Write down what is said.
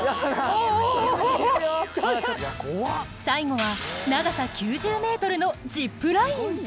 最後は長さ９０ｍのジップライン！